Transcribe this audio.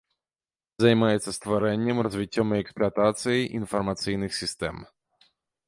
Займаецца стварэннем, развіццём і эксплуатацыяй інфармацыйных сістэм.